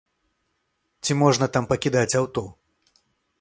Ці можна там пакідаць аўто?